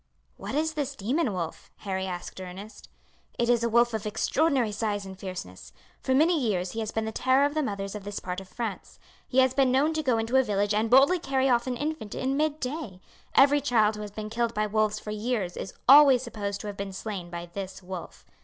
"What is this demon wolf?" Harry asked Ernest. "It is a wolf of extraordinary size and fierceness. For many years he has been the terror of the mothers of this part of France. He has been known to go into a village and boldly carry off an infant in mid day. Every child who has been killed by wolves for years is always supposed to have been slain by this wolf.